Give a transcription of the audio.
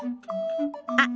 あっ